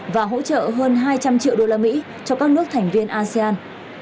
và hỗ trợ hơn hai trăm linh triệu đô la mỹ cho các nước thành viên asean